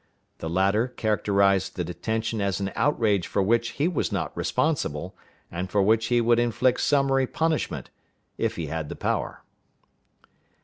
The latter characterized the detention as an outrage for which he was not responsible, and for which he would inflict summary punishment, if he had the power.